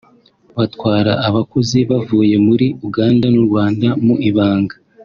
batwara abakozi bavuye muri Uganda n’u Rwanda mu ibanga